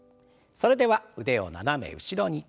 それでは腕を斜め後ろに。